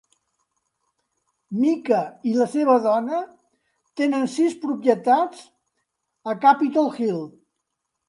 Mica i la seva dona tenen sis propietats a Capitol Hill.